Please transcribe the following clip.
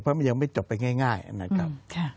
เพราะมันยังไม่จบไปง่ายนะครับ